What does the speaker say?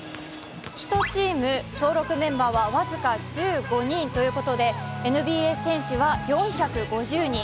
１チーム登録メンバーは僅か１５人ということで、ＮＢＡ選手は４５０人。